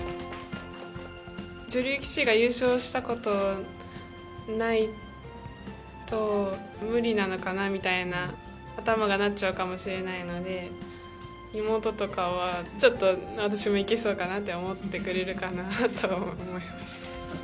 女流棋士が優勝したことないと無理なのかなみたいな、頭がなっちゃうかもしれないので、妹とかは、ちょっと私もいけそうかなって思ってくれるかなと思います。